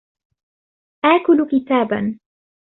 آكل كتاباً.